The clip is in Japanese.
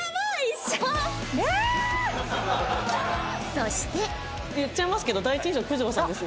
そして言っちゃいますけど第一印象九条さんです。